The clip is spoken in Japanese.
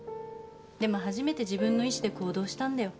でも初めて自分の意志で行動したんだよ。